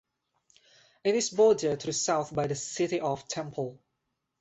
It is bordered to the south by the city of Temple.